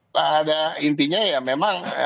pada intinya ya memang